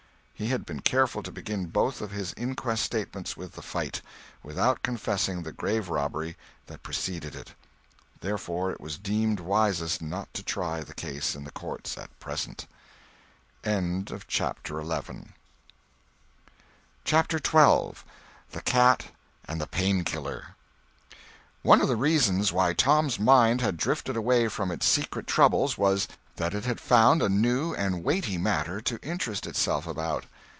He had been careful to begin both of his inquest statements with the fight, without confessing the grave robbery that preceded it; therefore it was deemed wisest not to try the case in the courts at present. CHAPTER XII ONE of the reasons why Tom's mind had drifted away from its secret troubles was, that it had found a new and weighty matter to interest itself about.